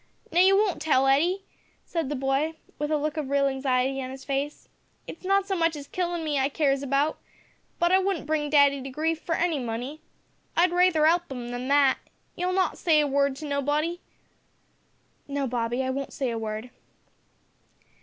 "Now you won't tell, Hetty?" said the boy with a look of real anxiety on his face. "It's not so much his killin' me I cares about, but I wouldn't bring daddy to grief for any money. I'd raither 'elp 'im than that. You'll not say a word to nobody?" "No, Bobby, I won't say a word."